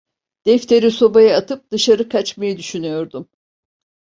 Defteri sobaya atıp dışarı kaçmayı düşünüyordum.